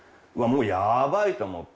もうやばいと思って。